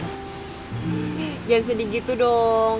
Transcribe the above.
jangan sedih gitu dong